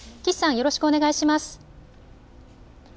よろしくお願いします。